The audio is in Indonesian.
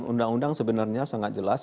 undang undang sebenarnya sangat jelas